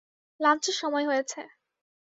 লাঞ্চের সময় হয়েছে।